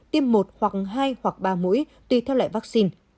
tiêm một hoặc hai hoặc ba mũi tùy theo loại vaccine